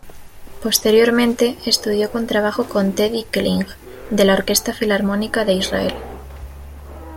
Posteriormente estudió contrabajo con Teddy Kling, de la Orquesta Filarmónica de Israel.